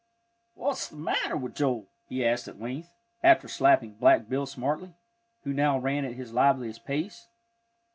"What's th' matter with Joel?" he asked at length, after slapping Black Bill smartly, who now ran at his liveliest pace.